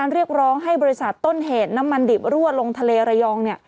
เรียกร้องให้บริษัทต้นเหตุน้ำมันดิบรั่วลงทะเลระยอง